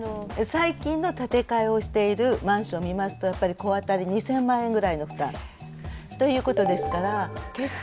最近の建て替えをしているマンションを見ますとやっぱり戸当たり２，０００万円ぐらいの負担ということですから決して。